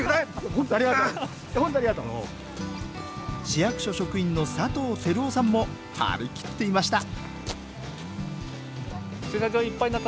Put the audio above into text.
市役所職員の佐藤輝男さんもはりきっていました